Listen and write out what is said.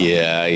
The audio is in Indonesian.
ya pak arahannya